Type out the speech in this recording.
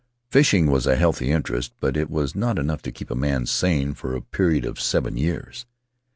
Fishing was a healthy interest, but it was not enough to keep a man sane for a period of seven years.